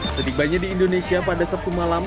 setibanya di indonesia pada sabtu malam